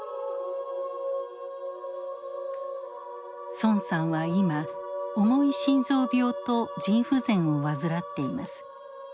孫さんは今重い心臓病と腎不全を患っています。